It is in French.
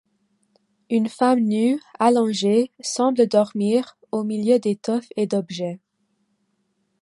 Une femme nue, allongée, semble dormir, au milieu d'étoffes et d'objets.